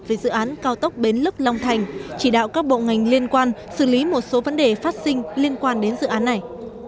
về dự án cao tốc bến lức long thành chỉ đạo các bộ ngành liên quan xử lý một số vấn đề phát sinh liên quan đến dự án này